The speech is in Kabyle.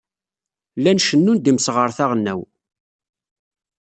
Llan cennun-d imseɣret aɣelnaw.